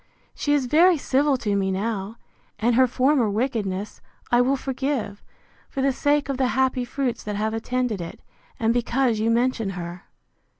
She is very civil to me now: and her former wickedness I will forgive, for the sake of the happy fruits that have attended it; and because you mention her.